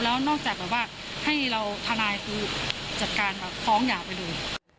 แล้วนอกจากแบบว่าให้เราทนายคือจัดการฟ้องหย่าไปเลย